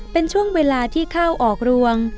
เป็นช่วงเวลาที่เข้าออกรวง